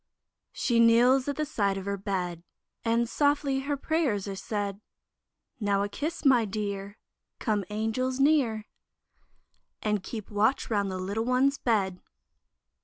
She kneels at the side of her bed, And softly her prayers are said; Now, a kiss, my Dear; Come, Angels, near, And keep watch round the little one's bed.